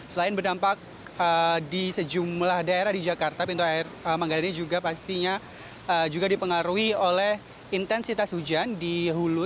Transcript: selain berdampak di sejumlah daerah di jakarta pintu air manggarai juga pastinya juga dipengaruhi oleh intensitas hujan di hulu